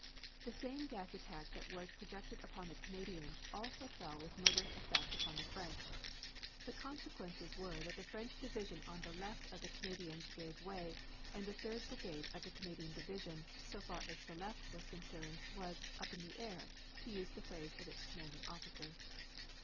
The same gas attack that was projected upon the Canadians also fell with murderous effect upon the French. The consequences were that the French division on the left of the Canadians gave way and the Third brigade of the Canadian division, so far as the left was concerned, was "up in the air," to use the phrase of its commanding officer.